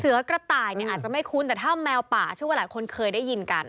กระต่ายเนี่ยอาจจะไม่คุ้นแต่ถ้าแมวป่าเชื่อว่าหลายคนเคยได้ยินกัน